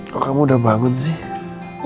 kok kamu udah bangun sih